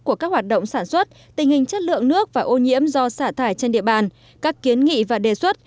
của các hoạt động sản xuất tình hình chất lượng nước và ô nhiễm do xả thải trên địa bàn các kiến nghị và đề xuất